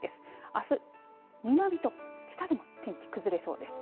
あす、南と北でも天気崩れそうです。